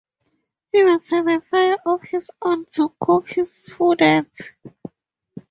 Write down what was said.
He must have a fire of his own to cook his food at.